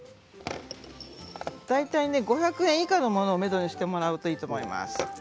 大体５００円以下のものをめどにしていただくといいと思います。